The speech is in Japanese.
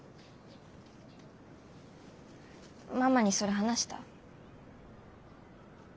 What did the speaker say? ママにそれ話した？